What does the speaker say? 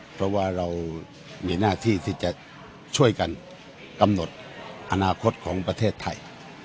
เพราะว่าเรามีหน้าที่ที่จะช่วยกันกำหนดอนาคตของประเทศไทย